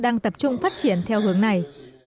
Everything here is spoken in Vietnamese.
đang tập trung phát triển theo hướng này